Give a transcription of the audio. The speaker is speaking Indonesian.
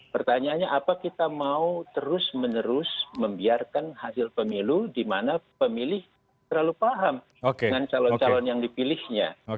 pertanyaannya apa kita mau terus menerus membiarkan hasil pemilu di mana pemilih terlalu paham dengan calon calon yang dipilihnya